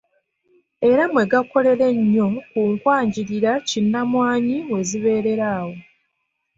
Era mwe gakolera ennyo ku nkwajjirira kinnamwanyi we zibeererawo.